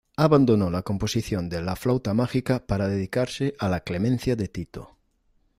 Abandonó la composición de "La flauta mágica" para dedicarse a "La clemencia de Tito".